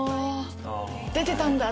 出てたんだ！